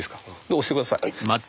押して下さい。